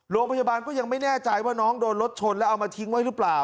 โรงพยาบาลก็ยังไม่แน่ใจว่าน้องโดนรถชนแล้วเอามาทิ้งไว้หรือเปล่า